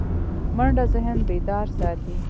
منډه ذهن بیدار ساتي